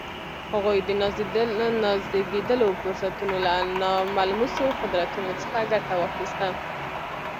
هغوی د نازېږېدلو فرصتونو له ناملموسو قدرتونو څخه ګټه واخیسته